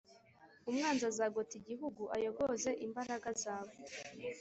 Umwanzi azagota igihugu, ayogoze imbaraga zawe,